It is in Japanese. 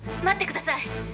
待ってください。